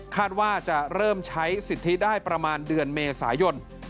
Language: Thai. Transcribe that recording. คาดว่าจะเริ่มใช้สิทธิได้ประมาณเดือนเมษายน